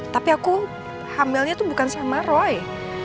tapi aku hamilnya tuh bukan sama roy